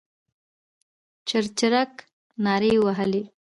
چرچرک نارې وهلې.